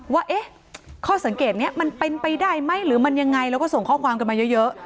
ว่าข้อสังเกตนี้มันเป็นไปได้ไหมหรือมันยังไงแล้วก็ส่งข้อความกันมาเยอะ